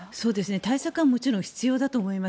対策はもちろん必要だと思います。